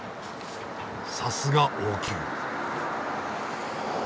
さすが王宮。